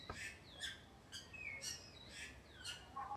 Fatty, খালা।